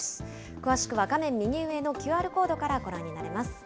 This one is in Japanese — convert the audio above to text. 詳しくは画面右上のＱＲコードからご覧になれます。